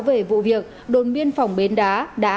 về vụ việc đồn biên phòng bến đá